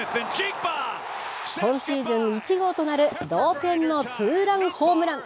今シーズン１号となる同点のツーランホームラン。